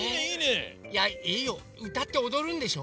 いやいいようたっておどるんでしょ？